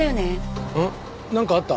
なんかあった？